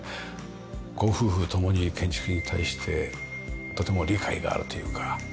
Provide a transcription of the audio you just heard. ご夫婦ともに建築に対してとても理解があるというか。